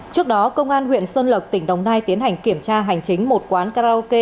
trước đó công an huyện xuân lộc tỉnh đồng nai tiến hành kiểm tra hành chính một quán karaoke